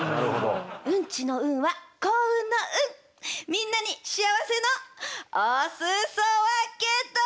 みんなに幸せのお裾分けだ！